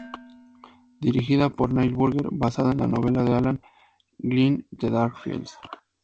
Dirigida por Neil Burger, basada en la novela de Alan Glynn "The Dark Fields".